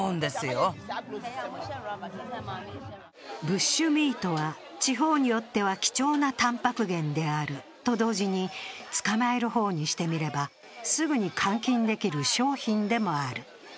ブッシュミートは、地方によっては貴重なたんぱく源であると同時に捕まえる方にしてみればすぐに換金できる商品でもある。